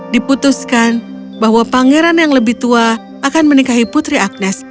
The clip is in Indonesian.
diputuskan bahwa pangeran yang lebih tua akan menikahi putri agnes